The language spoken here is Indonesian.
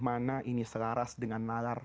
mana ini selaras dengan nalar